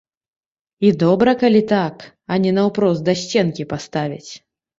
І добра калі так, а не наўпрост да сценкі паставяць.